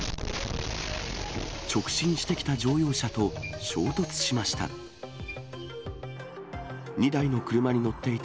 直進してきた乗用車と衝突しました。